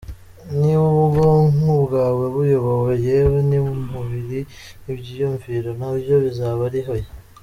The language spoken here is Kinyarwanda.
niba ubwonko bwawe buyobowe, yewe n’umubiri n’iby’iyumviro nabyo bizaba ari hoya.